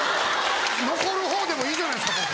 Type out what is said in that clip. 残る方でもいいじゃないですか